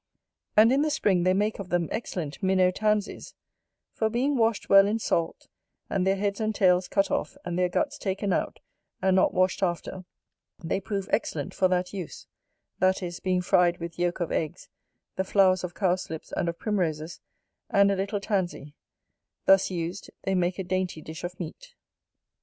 And in the spring they make of them excellent Minnow tansies; for being washed well in salt, and their heads and tails cut off, and their guts taken out, and not washed after, they prove excellent for that use; that is, being fried with yolk of eggs, the flowers of cowslips and of primroses, and a little tansy; thus used they make a dainty dish of meat.